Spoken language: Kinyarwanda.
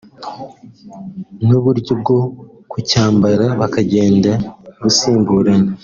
n’uburyo bwo kucyambara bukagenda busimburana